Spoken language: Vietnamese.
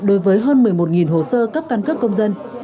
đối với hơn một mươi một hồ sơ cấp căn cước công dân